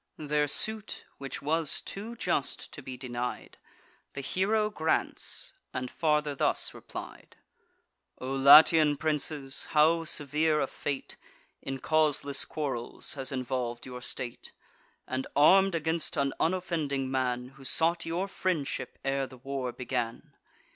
Their suit, which was too just to be denied, The hero grants, and farther thus replied: "O Latian princes, how severe a fate In causeless quarrels has involv'd your state, And arm'd against an unoffending man, Who sought your friendship ere the war began!